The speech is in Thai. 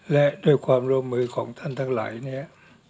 และด้วยความร่วมมือของท่านทั้งหลายเนี่ย